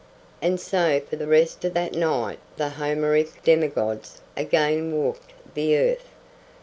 And so for the rest of that night the Homeric demigods again walked the earth.